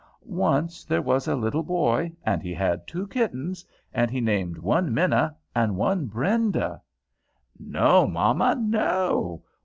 "Once there was a little boy, and he had two kittens, and he named one Minna, and one Brenda" "No, mamma, no!